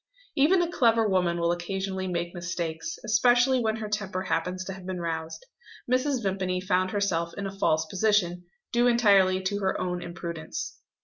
Even a clever woman will occasionally make mistakes; especially when her temper happens to have been roused. Mrs. Vimpany found herself in a false position, due entirely to her own imprudence.